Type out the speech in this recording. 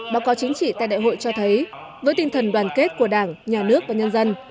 báo cáo chính trị tại đại hội cho thấy với tinh thần đoàn kết của đảng nhà nước và nhân dân